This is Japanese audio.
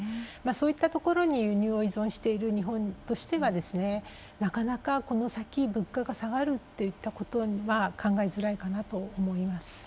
そういったところに輸入を依存している日本としてはなかなか、この先物価が下がるといったことは考えづらいかなと思います。